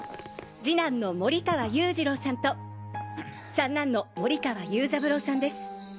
次男の森川優次郎さんと三男の森川游三郎さんです。